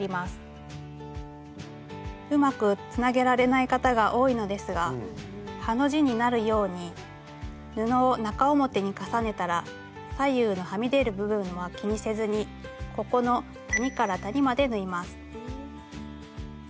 うまくつなげられない方が多いのですがハの字になるように布を中表に重ねたら左右のはみ出る部分は気にせずにここの谷から谷まで縫います。